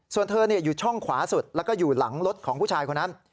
ส่วนเธออยู่ช่องขวาสุดแล้วก็อยู่หลังรถของผู้ชายคนนั้น